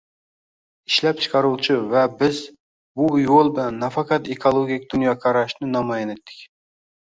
Ishlab chiqaruvchi va biz bu yo‘l bilan nafarqat ekologik dunyoqarashni namoyon etdik